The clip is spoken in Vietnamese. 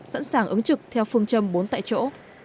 sẵn sàng ứng trực theo phương châm bốn tại chỗ